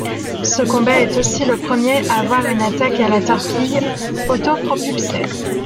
Ce combat est aussi le premier à voir une attaque à la torpille autopropulsée.